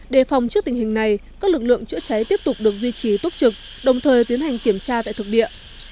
đề phòng trước tình hình này các lực lượng chữa cháy tiếp tục được duy trì túc trực đồng thời tiến hành kiểm tra tại thực địa